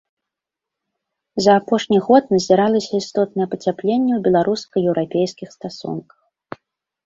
За апошні год назіралася істотнае пацяпленне ў беларуска-еўрапейскіх стасунках.